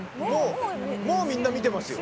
もうみんな見てますよ。